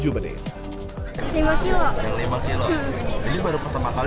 jadi baru pertama kali apa sebelumnya sudah pernah